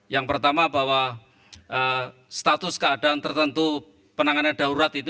yang pertama bahwa status keadaan tertentu penanganan daurat itu